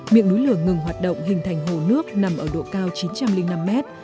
miệng núi lửa ngừng hoạt động hình thành hồ nước nằm ở độ cao chín trăm linh năm mét